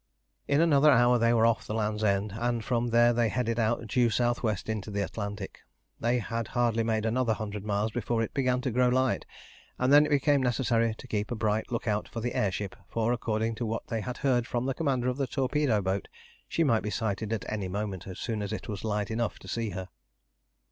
In another hour they were off the Land's End, and from there they headed out due south west into the Atlantic. They had hardly made another hundred miles before it began to grow light, and then it became necessary to keep a bright look out for the air ship, for according to what they had heard from the commander of the torpedo boat she might be sighted at any moment as soon as it was light enough to see her.